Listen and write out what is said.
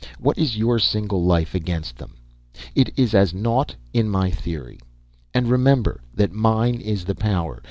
What is your single life against them? It is as naught, in my theory. And remember that mine is the power.